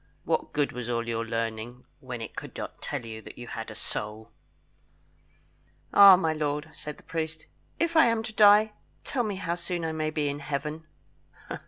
"What good was all your learning, when it could not tell you that you had a soul?" "Ah, my lord," said the priest, "If I am to die, tell me how soon I may be in Heaven?"